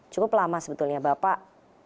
cukup lama sebetulnya pak